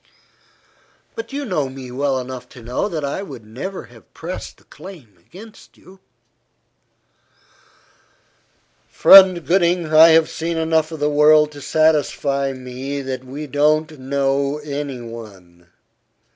"But you know me well enough to know that I never would have pressed the claim against you." "Friend Gooding, I have seen enough of the world to satisfy me that we don't know any one.